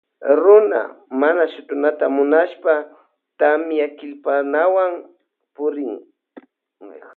Runa mana shutunata munashpaka kamyakillpawan purina.